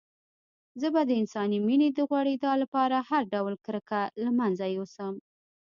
زه به د انساني مينې د غوړېدا لپاره هر ډول کرکه له منځه يوسم.